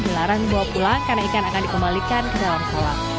dilarang dibawa pulang karena ikan akan dikembalikan ke dalam kolam